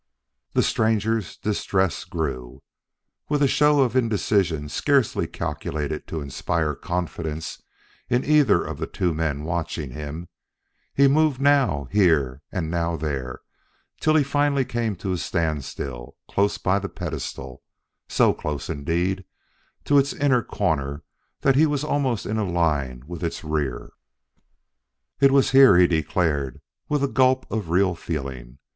The stranger's distress grew. With a show of indecision scarcely calculated to inspire confidence in either of the two men watching him, he moved now here and now there till he finally came to a standstill close by the pedestal so close, indeed, to its inner corner that he was almost in a line with its rear. "It was here," he declared with a gulp of real feeling.